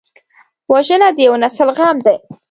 وژنه د یو نسل غم دی